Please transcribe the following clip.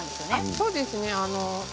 そうです。